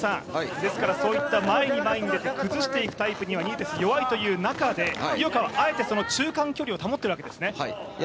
前に前に出て崩していくタイプにはニエテスは弱いという中で井岡はあえて、中間距離を保っているわけですね。